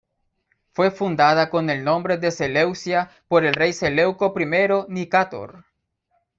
Fue fundada con el nombre de Seleucia por el rey Seleuco I Nicátor.